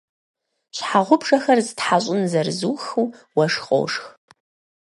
Щхьэгъубжэхэр стхьэщӏын зэрызухыу, уэшх къошх.